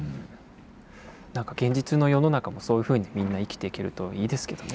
何か現実の世の中もそういうふうにみんな生きていけるといいですけどね。